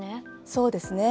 そうですね。